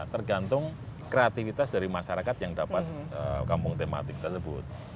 tergantung kreativitas dari masyarakat yang dapat kampung tematik tersebut